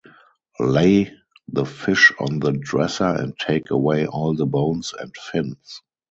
Lay the fish on the dresser and take away all the bones and fins.